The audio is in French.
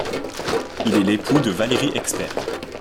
Il est l'époux de Valérie Expert.